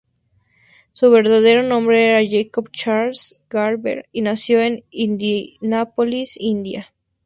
Su verdadero nombre era Jacob Charles Garber, y nació en Indianápolis, Indiana.